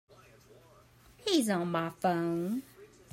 He's on my phone.